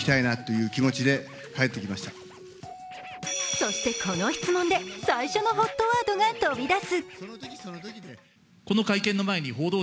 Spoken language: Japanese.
そしてこの質問で、最初のＨＯＴワードが飛び出す。